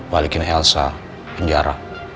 balikin elsa penjara